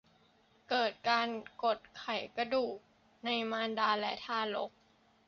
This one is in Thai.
เกิดการกดไขกระดูกในมารดาและทารก